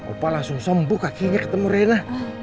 opa langsung sembuh kakinya ketemu reina